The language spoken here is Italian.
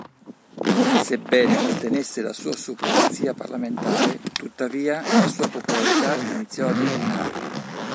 Sebbene mantenesse la sua supremazia parlamentare, tuttavia, la sua popolarità iniziò a declinare.